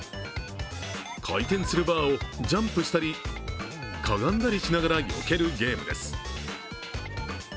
回転するバーをジャンプしたりかがんだりしながらよけるゲームです。